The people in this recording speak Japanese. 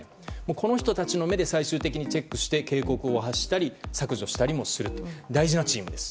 この人たちの目で最終的にチェックして警告を発したり削除したりもするという大事なチームなんです。